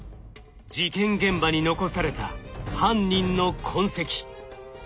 事件現場に残された犯人の痕跡。